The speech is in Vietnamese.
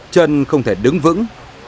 chân không thể đứng vững